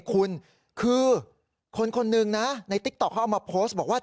คุณคือคนคนหนึ่งนะในติ๊กต๊อกเขาเอามาโพสต์บอกว่า